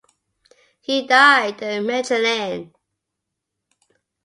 He died in Mechelen.